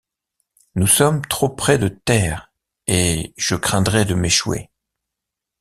Nous sommes trop près de terre... et je craindrais de m’échouer...